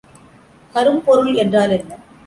கரும்பொருள் என்றால் என்ன?